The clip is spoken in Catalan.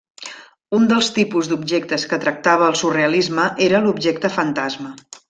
Un dels tipus d'objectes que tractava el surrealisme era l'objecte fantasma.